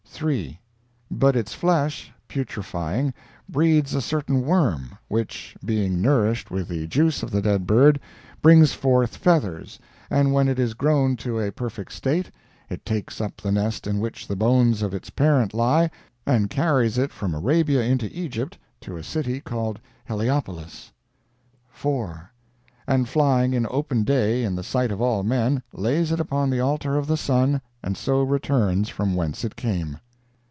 "3. But its flesh, putrefying, breeds a certain worm, which, being nourished with the juice of the dead bird, brings forth feathers; and when it is grown to a perfect state, it takes up the nest in which the bones of its parent lie, and carries it from Arabia into Egypt, to a city called Heliopolis: "4. And flying in open day in the sight of all men, lays it upon the altar of the sun, and so returns from whence it came.